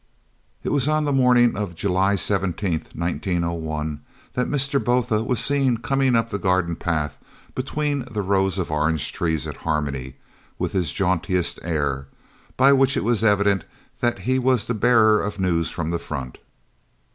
It was on the morning of July 17th, 1901, that Mr. Botha was seen coming up the garden path between the rows of orange trees at Harmony, with his jauntiest air, by which it was evident that he was the bearer of news from the front.